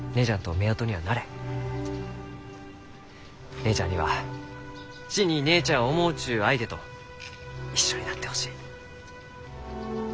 姉ちゃんには真に姉ちゃんを思うちゅう相手と一緒になってほしい。